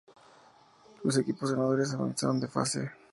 Los equipos ganadores avanzaron de fase.